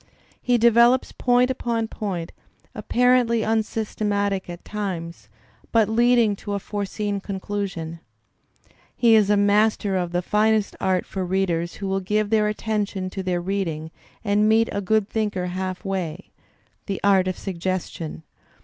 He develops point upon point, apparently im systematic at times, but leading to a foreseen conclusion. He is a master of the finest art for readers who will give their attention to their reading and meet a good thinker halfway, the art^of suggestion.